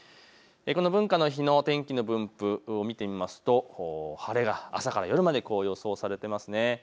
文化の日の天気の分布、見てみますと晴れが朝から夜まで予想されています。